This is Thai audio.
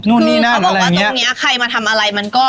นู่นนี่น่นอะไรอย่างเงี้ยะคือเขาบอกว่าตรงเนี้ยใครมาทำอะไรมันก็